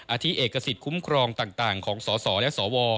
ที่เอกสิทธิ์คุ้มครองต่างของสสและสว